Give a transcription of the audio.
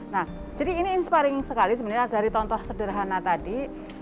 nah jadi ini inspiring sekali sebenarnya dari contoh sederhana tadi